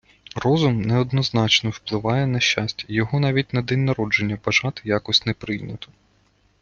Розум неоднозначно впливає на щастя, його навіть на день народження бажати якось не прийнято.